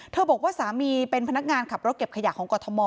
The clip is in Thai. บอกว่าสามีเป็นพนักงานขับรถเก็บขยะของกรทม